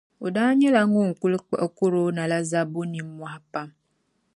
O daa nyɛla ŋun kuli kpiɣi korona la zabbu nimmohi pam.